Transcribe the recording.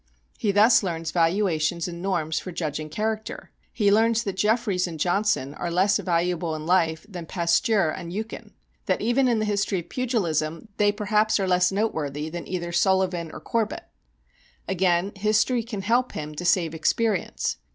He thus learns valuations and norms for judging character. He learns that Jeffries and Johnson are less valuable in life than Pasteur and Eucken; that even in the history of pugilism they perhaps are less noteworthy than either Sullivan or Corbett. Again, history can help him to save experience.